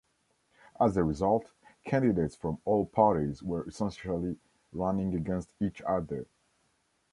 As a result, candidates from all parties were essentially running against each other.